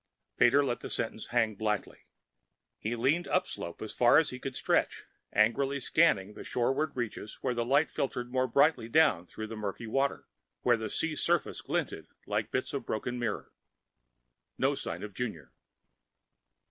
Pater let the sentence hang blackly. He leaned upslope as far as he could stretch, angrily scanning the shoreward reaches where light filtered more brightly down through the murky water, where the sea surface glinted like bits of broken mirror. No sign of Junior.